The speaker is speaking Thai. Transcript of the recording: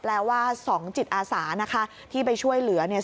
ว่าสองจิตอาสานะคะที่ไปช่วยเหลือเนี่ย